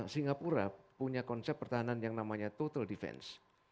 singapura punya konsep pertahanan yang namanya total defense